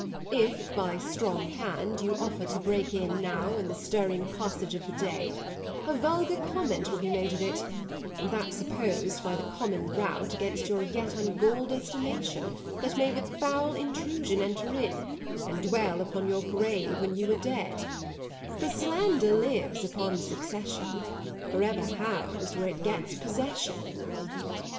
If by strong hand you offer to break in Now in the stirring passage of the day, A vulgar comment will be made of it, 100 And that supposed by the common rout Against your yet ungalled estimation, That may with foul intrusion enter in, And dwell upon your grave when you are dead; For slander lives upon succession, 105 For ever housed where it gets possession. _Ant.